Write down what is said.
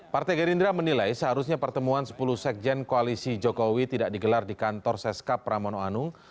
partai gerindra menilai seharusnya pertemuan sepuluh sekjen koalisi jokowi tidak digelar di kantor seskap pramono anung